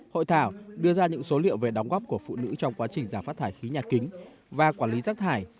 hội thảo đưa ra những số liệu về đóng góp của phụ nữ trong quá trình giảm phát thải khí nhà kính và quản lý rác thải